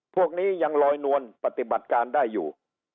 พวกนี้ยังลอยนวลปฏิบัติการได้อยู่